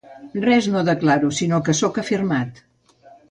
Res no declaro sinó que sóc afirmat.